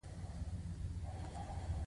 تـر څـو خـپله مـور د بل مور وګـني.